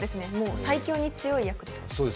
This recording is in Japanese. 最強に強い役です。